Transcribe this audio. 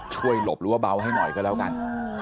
หลบหรือว่าเบาให้หน่อยก็แล้วกัน